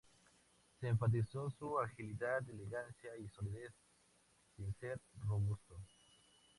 Se enfatiza su agilidad, elegancia y solidez sin ser robusto.